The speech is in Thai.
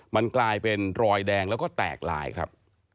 มันกลายเป็นรอยแดงแล้วก็แตกลายครับ